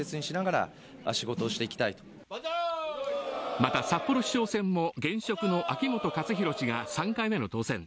また、札幌市長選も現職の秋元克弘氏が３回目の当選。